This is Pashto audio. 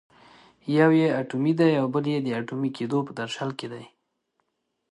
یو یې اټومي دی او بل یې د اټومي کېدو په درشل کې دی.